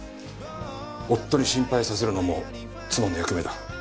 夫に心配させるのも妻の役目だ。